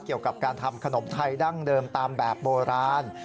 เกี่ยวกับการทำขนมไทยดั้งเดิมตามแบบโบราณ